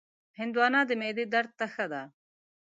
هندوانه د معدې درد ته ښه ده.